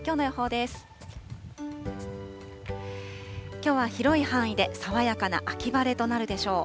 きょうは広い範囲で爽やかな秋晴れとなるでしょう。